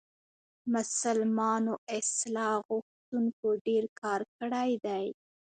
مسلمانو اصلاح غوښتونکو ډېر کار کړی دی.